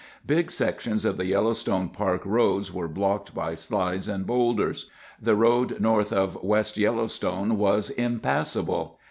Big sections of the Yellowstone Park roads were blocked by slides and boulders. The road north of West Yellowstone was impassable.